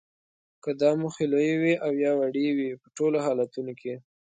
که دا موخې لویې وي او یا وړې وي په ټولو حالتونو کې